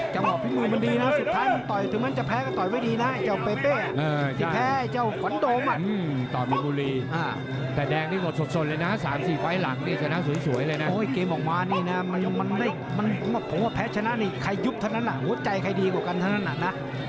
จำบอกพี่มูมันดีนะสุดท้ายมันต่อยถึงจะแพ้ต่อยไม่ดีนะ